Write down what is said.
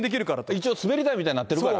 一応、滑り台みたいになってるから。